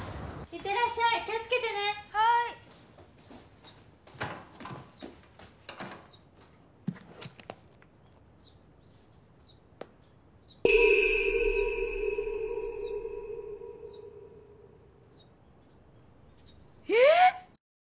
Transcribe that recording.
行ってらっしゃい気をつけてねはいえっ！？